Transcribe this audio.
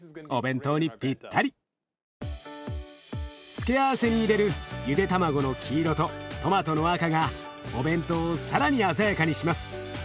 付け合わせに入れるゆで卵の黄色とトマトの赤がお弁当を更に鮮やかにします。